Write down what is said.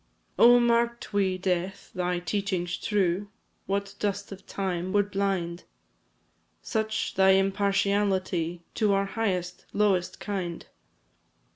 Oh, marked we, Death! thy teachings true, What dust of time would blind? Such thy impartiality To our highest, lowest kind.